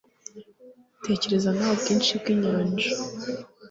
tekereza nawe ubwinshi bw'inyanja